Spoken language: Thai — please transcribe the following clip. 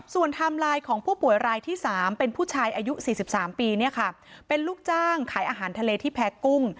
ส่วนทำรายของผู้ป่วยรายที่สามเป็นผู้ชายอายุสี่สิบสามปีเนี่ยค่ะเป็นลูกจ้างขายอาหารทะเลที่แพ้กุ้ง